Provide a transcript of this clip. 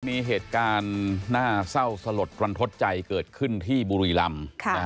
มีเหตุการณ์น่าเศร้าสลดรันทดใจเกิดขึ้นที่บุรีรำ